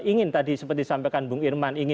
ingin tadi seperti disampaikan bung irman ingin